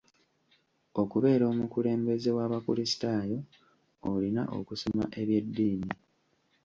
Okubeera omukulembeze w'abakulisitaayo olina okusoma ebyeddiini.